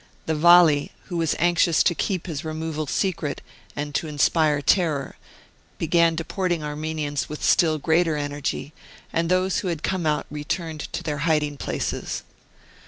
The Vali, who was anxious to keep his removal secret and to inspire terror, began deporting Armenians with still greater energy, and those who had come out returned to their hiding places.